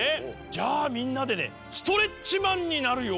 じゃあみんなでねストレッチマンになるよ？